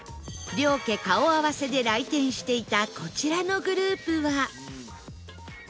両家顔合わせで来店していたこちらのグループは